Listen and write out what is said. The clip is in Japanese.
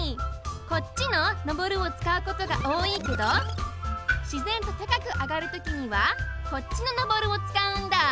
こっちの「上る」をつかうことがおおいけどしぜんとたかくあがるときにはこっちの「昇る」をつかうんだ。